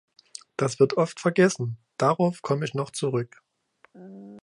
Das wird oft vergessen, darauf komme ich noch zurück.